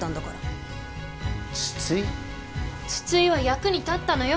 津々井は役に立ったのよ。